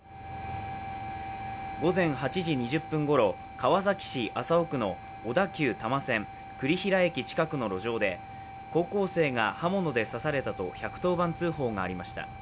午前８時２０分ごろ、川崎市麻生区の小田急多摩線・栗平駅近くの路上で高校生が刃物で刺されたと１１０番通報がありました。